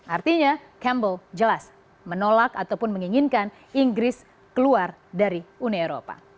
artinya campbell jelas menolak ataupun menginginkan inggris keluar dari uni eropa